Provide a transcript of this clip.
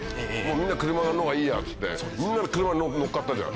みんな車の方がいいやっつってみんなが車に乗っかったじゃん。